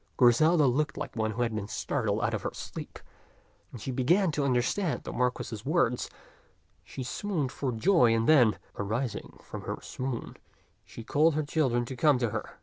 Griselda looked like one who had been startled out of her sleep. As she began to understand the Marquis's words, she swooned for joy ; and then, arising from her swoon, she called her children to come to her.